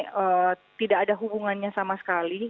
karena intensitas sosialisasi kami itu tidak ada hubungannya sama sekali